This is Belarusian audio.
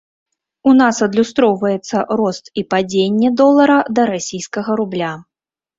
У нас адлюстроўваецца рост і падзенне долара да расійскага рубля.